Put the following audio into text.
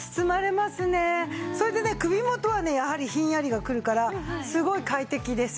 それでね首元はねやはりひんやりがくるからすごい快適です。